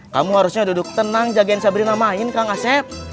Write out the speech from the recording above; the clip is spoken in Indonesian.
kamu harusnya duduk tenang jagain sabrina main kang asep